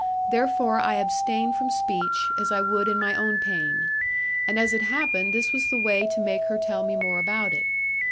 Therefore I abstained from speech, as I would in my own pain. And as it happened, this was the way to make her tell me more about it.